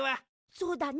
そうだね。